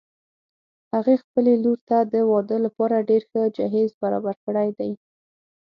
هغې خپلې لور ته د واده لپاره ډېر ښه جهیز برابر کړي دي